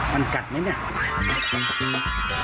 มันกัดไหมเนี่ย